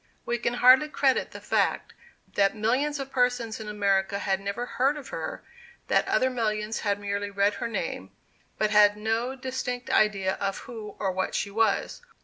We can hardly credit the fact, that millions of persons in America had never heard of her, that other millions had merely read her name, but had no distinct idea of who or what she was.